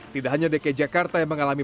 tidak hanya dki jakarta yang mengalami